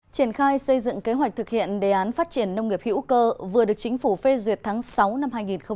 triển khai xây dựng kế hoạch thực hiện đề án phát triển nông nghiệp hữu cơ vừa được chính phủ phê duyệt tháng sáu năm hai nghìn hai mươi